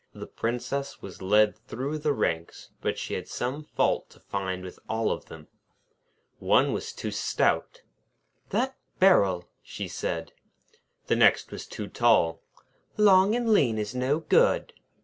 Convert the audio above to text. The Princess was led through the ranks, but she had some fault to find with all of them. One was too stout. 'That barrel!' she said. The next was too tall. 'Long and lean is no good!'